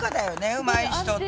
うまい人って。